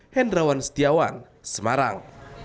hendrawan setiawan semarang